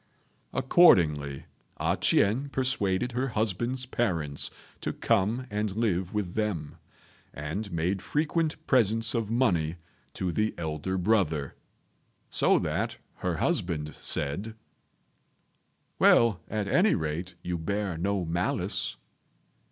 Accordingly, A ch'ien persuaded her husband's parents to come and live with them, and made frequent presents of money to the elder brother; so that her husband said, "Well, at any rate, you bear no malice."